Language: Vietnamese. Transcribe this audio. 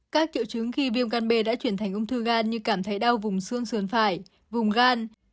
các triệu chứng khi viêm gan b đã chuyển thành ung thư gan như cảm thấy đau vùng xương phải vùng gan